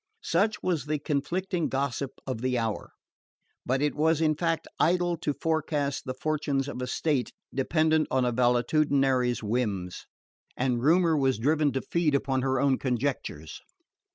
Such was the conflicting gossip of the hour; but it was in fact idle to forecast the fortunes of a state dependent on a valetudinary's whims; and rumour was driven to feed upon her own conjectures.